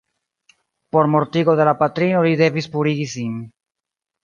Por mortigo de la patrino li devis purigi sin.